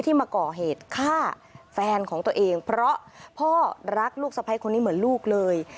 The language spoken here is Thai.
มาก่อเหตุฆ่าแฟนของตัวเองเพราะพ่อรักลูกสะพ้ายคนนี้เหมือนลูกเลย